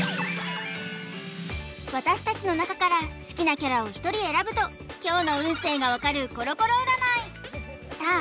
私たちの中から好きなキャラを１人選ぶと今日の運勢が分かるコロコロ占いさあ